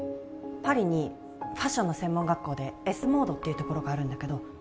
パリにファッションの専門学校でエスモードっていうところがあるんだけど